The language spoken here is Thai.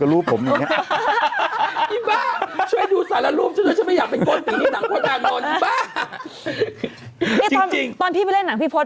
กูไม่เอาขอวังแต่งด้วยหรอ